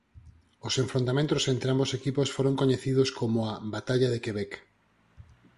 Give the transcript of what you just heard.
Os enfrontamentos entre ambos equipos foron coñecidos como a "Batalla de Quebec".